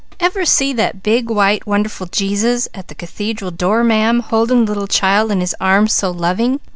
Ever see that big, white, wonderful Jesus at the Cathedral door, ma'am, holding the little child in His arms so loving?